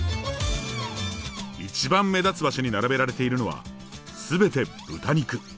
一番目立つ場所に並べられているのはすべて豚肉。